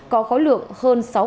có khói lượng tăng trữ